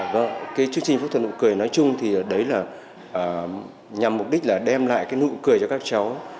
vâng cái chương trình phẫu thuật nụ cười nói chung thì đấy là nhằm mục đích là đem lại cái nụ cười cho các cháu